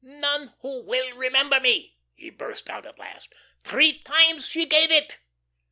"'None who will remember me,'" he burst out at last. "Three times she gave it."